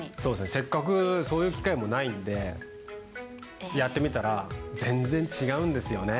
せっかく、そういう機会もないので、やってみたら、全然違うんですよね。